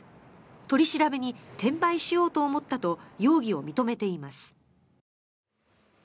取り調べに転売しようと思ったと容疑を認めています。